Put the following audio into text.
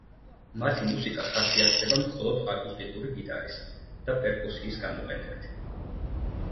მათი მუსიკა ხასიათდება მხოლოდ აკუსტიკური გიტარის და პერკუსიის გამოყენებით.